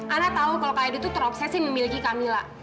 ana tahu kalau kak edo itu terobsesi memiliki kamila